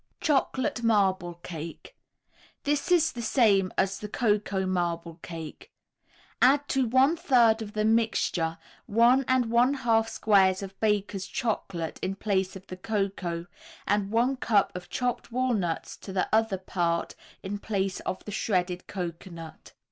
CHOCOLATE MARBLE CAKE This is the same as the Cocoa Marble Cake. Add to one third of the mixture one and one half squares of Baker's Chocolate in place of the cocoa, and one cup of chopped walnuts to the other part in place of the shredded cocoanut.